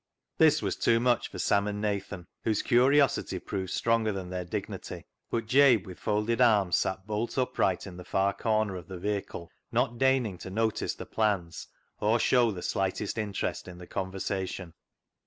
This was too much for Sam and Nathan, whose curiosity proved stronger than their dignity, but Jabe with folded arms sat bolt upright in the far corner of the vehicle, not deigning to notice the plans or show the slightest interest in the conversation.